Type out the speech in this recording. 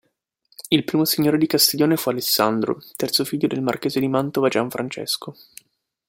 Il primo signore di Castiglione fu Alessandro, terzo figlio del marchese di Mantova, Gianfrancesco.